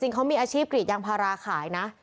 เขามีอาชีพกรีดยางพาราขายนะ